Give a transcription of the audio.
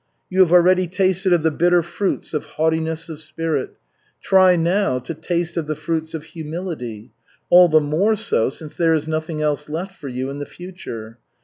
You have already tasted of the bitter fruits of haughtiness of spirit. Try now to taste of the fruits of humility, all the more so since there is nothing else left for you in the future.